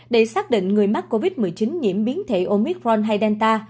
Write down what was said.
để xác định người mắc covid một mươi chín nhiễm biến thể omitron hay delta